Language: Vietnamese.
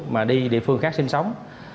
mà đi địa phương khác sinh sống